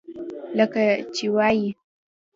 لکه چې وائي ۔